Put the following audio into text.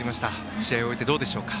試合を終えてどうでしょうか。